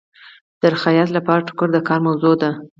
د خیاط لپاره ټوکر د کار موضوع ده.